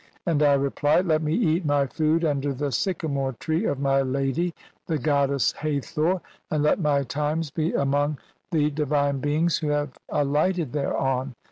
[And I reply :] 'Let me eat " 'my food under the sycamore tree of my lady, the " 'goddess Hathor, and let my times be among the h* CXVI INTRODUCTION. ' 'divine beings who have alighted thereon.